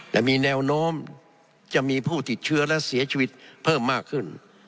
แต่มีแนวโน้มจะมีผู้ติดเชื้อและเสียชีวิตเพิ่มมากขึ้น